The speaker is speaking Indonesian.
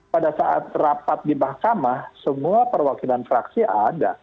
pada saat rapat di mahkamah semua perwakilan fraksi ada